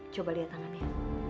coba lihat tangannya